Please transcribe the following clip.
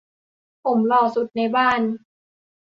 ผมหล่อสุดในบ้าน